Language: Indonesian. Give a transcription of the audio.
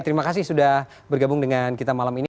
terima kasih sudah bergabung dengan kita malam ini